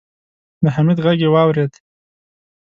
د حميد غږ يې واورېد.